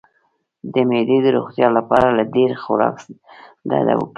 د معدې د روغتیا لپاره له ډیر خوراک ډډه وکړئ